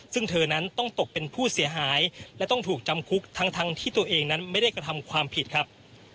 ซึ่งเธอนั้นต้องตกเป็นผู้เสียหายและต้องถูกจำคุกทั้งที่ตัวเองนั้นไม่ได้กระทำความผิดครับ